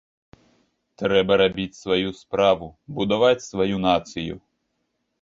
Трэба рабіць сваю справу, будаваць сваю нацыю.